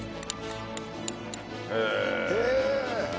へえ。